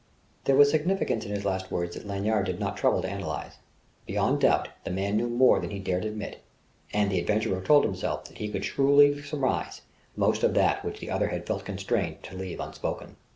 There was significance in his last words that Lanyard did not trouble to analyze. Beyond doubt, the man knew more than he dared admit. And the adventurer told himself he could shrewdly surmise most of that which the other had felt constrained to leave unspoken.